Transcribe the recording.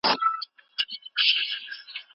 د اياتونو نسبت ئې قرآن کريم ته وکړ.